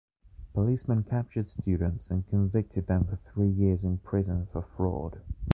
Policemen captured students and convicted them for three years in prison for fraud.